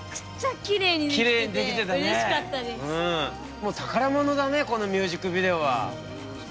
もう宝物だねこのミュージックビデオは。